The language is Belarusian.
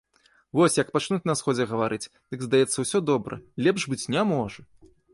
Вось, як пачнуць на сходзе гаварыць, дык здаецца ўсё добра, лепш быць не можа.